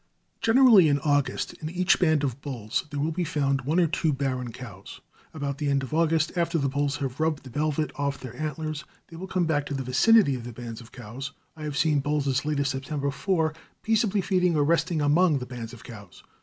Generally, in August, in each band of bulls there will be found one or two barren cows. About the end of August, after the bulls have rubbed the velvet off their antlers, they will come back to the vicinity of the bands of cows. I have seen bulls as late as September 4 peaceably feeding or resting among the bands of cows.